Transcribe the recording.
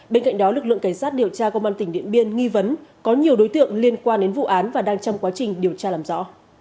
bên cạnh đó lực lượng cảnh sát điều tra công an tỉnh điện biên nghi vấn có nhiều đối tượng liên quan đến vụ án và đang trong quá trình điều tra làm rõ